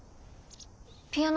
ピアノ